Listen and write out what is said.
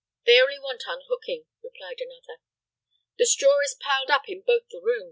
"They only want unhooking," replied another. "The straw is piled up in both the rooms."